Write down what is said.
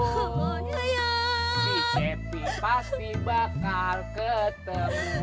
si cepi pasti bakal ketemu